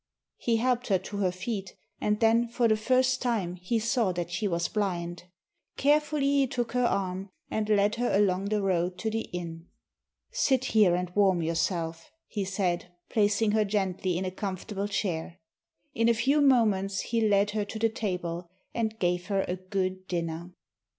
He helped her to her feet, and then, for the first time, he saw that she was blind. Carefully he took her arm, and led her along the road to the inn. "Sit here and warm yourself," he said, placing her gently in a comfortable chair. In a few moments he led her to the table, and gave her a good dinner.